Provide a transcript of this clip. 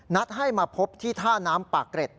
นัดให้มาพบที่ท่าน้ำปากเกร็ด